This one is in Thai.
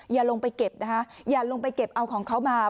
อย่าลงไปเก็บนะคะอย่าลงไปเก็บเอาของเขามา